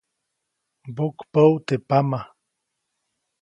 Mbokpäʼut teʼ pama.